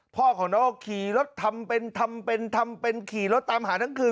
พ่อของน้องก็ขี่รถทำเป็นทำเป็นทำเป็นขี่รถตามหาทั้งคืน